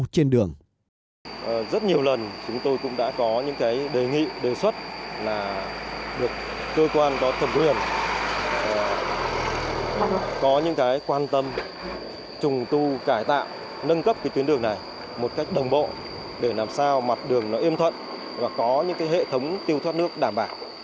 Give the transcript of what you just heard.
có những quan tâm trùng tu cải tạo nâng cấp tuyến đường này một cách đồng bộ để làm sao mặt đường yên thuận và có những hệ thống tiêu thoát nước đảm bảo